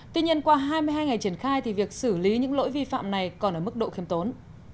tuy nhiên qua hai mươi hai ngày triển khai thì việc xử lý những lỗi vi phạm này còn ở mức độ khiêm tốn